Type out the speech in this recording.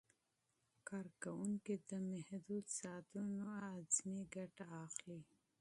کارکوونکي د محدودو ساعتونو اعظمي ګټه اخلي.